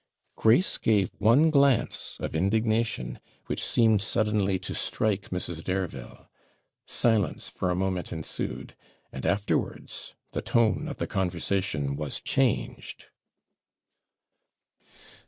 Grace gave one glance of indignation which seemed suddenly to strike Mrs. Dareville. Silence for a moment ensued, and afterwards the tone of the conversation was changed.